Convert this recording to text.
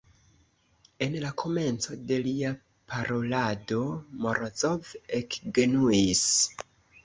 En la komenco de lia parolado Morozov ekgenuis.